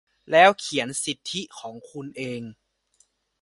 แล้วเขียนสิทธิของคุณเอง